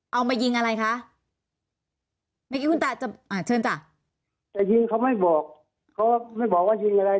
เอามายิงอะไรคะเมื่อกี้คุณตาจะอ่าเชิญจ้ะแต่ยิงเขาไม่บอกเขาไม่บอกว่ายิงอะไร